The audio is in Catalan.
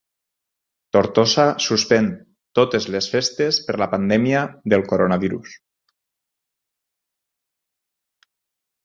Tortosa suspèn totes les festes per la pandèmia del coronavirus